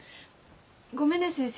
ごめんね先生